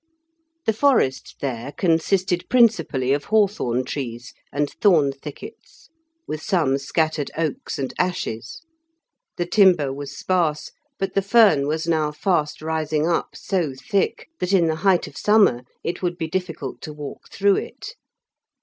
The forest there consisted principally of hawthorn trees and thorn thickets, with some scattered oaks and ashes; the timber was sparse, but the fern was now fast rising up so thick, that in the height of summer it would be difficult to walk through it.